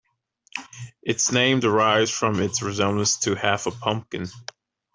Its name derives from its resemblance to half a pumpkin.